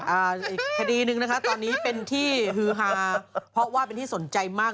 อันนี้เป็นที่ฮือฮาเพราะว่าเป็นที่สนใจมาก